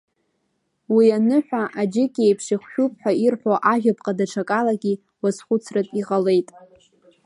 Уи ануҳәа, аџьыкеиԥш ихәшәуп ҳәа ирҳәо ажәаԥҟа даҽакалагьы уазхәыцратә иҟалеит…